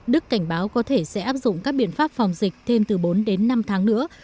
đức cảnh báo có thể sẽ áp dụng các biện pháp phòng dịch thêm từ bốn đến năm tháng nữa